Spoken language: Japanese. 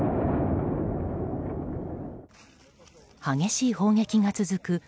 激しい砲撃が続く